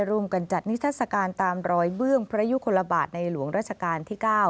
ร่วมกันจัดนิทัศกาลตามรอยเบื้องพระยุคลบาทในหลวงราชการที่๙